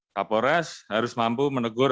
kapolres harus mampu menegur